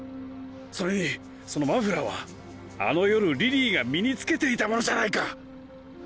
それにそのマフラーはあの夜リリーが身に着けていたものじゃないか！